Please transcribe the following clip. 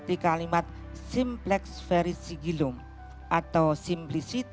ya allahumma yassir wa la tuassir